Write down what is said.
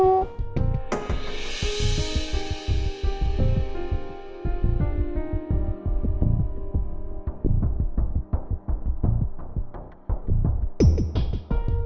aku ingin aktif